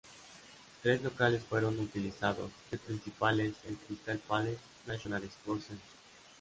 Tres locales fueron utilizados, el principal es el Crystal Palace National Sports Centre.